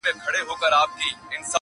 • شاعر باید درباري نه وي,